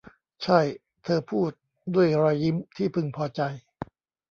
ใช่ เธอพูด ด้วยรอยยิ้มที่พึงพอใจ